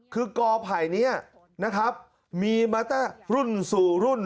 คือกอไผ่นี้นะครับมีมาแต่รุ่นสู่รุ่น